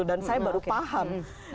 dan saya baru paham